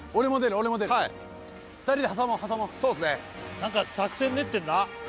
なんか作戦練ってるな。